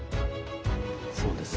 そうです。